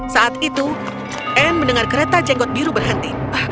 saat itu anne mendengar kereta jenggot biru berhenti